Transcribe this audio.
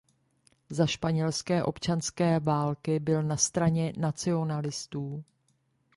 Za španělské občanské války byl na straně nacionalistů.